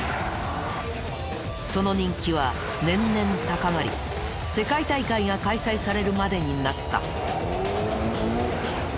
その人気は年々高まり世界大会が開催されるまでになった。